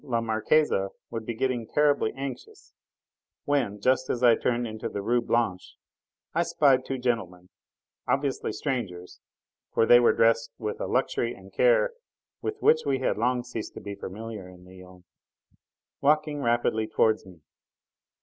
la Marquise would be getting terribly anxious when, just as I turned into the Rue Blanche, I spied two gentlemen obviously strangers, for they were dressed with a luxury and care with which we had long ceased to be familiar in Lyons walking rapidly towards me.